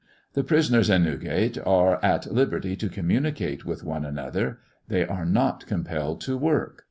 The prisoners in Newgate are at liberty to communicate with one another; they are not compelled to work.